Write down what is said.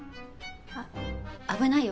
あっ危ないよ